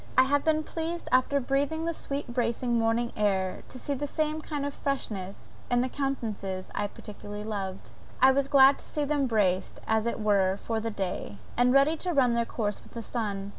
I have been pleased after breathing the sweet bracing morning air, to see the same kind of freshness in the countenances I particularly loved; I was glad to see them braced, as it were, for the day, and ready to run their course with the sun.